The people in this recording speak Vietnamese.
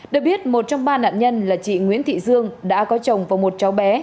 được biết một trong ba nạn nhân là chị nguyễn thị dương đã có chồng và một cháu bé